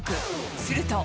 すると。